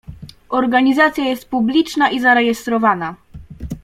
"Organizacja jest publiczna i zarejestrowana."